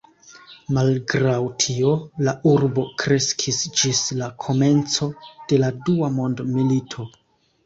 Malgraŭ tio, la urbo kreskis ĝis la komenco de la Dua mondmilito.